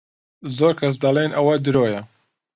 زۆر کەس دەڵێن ئەوە درۆیە.